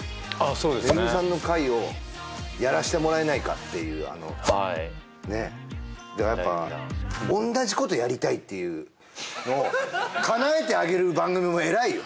そうですねＭＥＧＵＭＩさんの回をやらせてもらえないかっていうあのねえだからやっぱはい第２弾同じことやりたいっていうのをかなえてあげる番組も偉いよ